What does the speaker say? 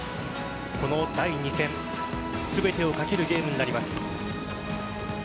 この第２戦全てをかけるゲームになります。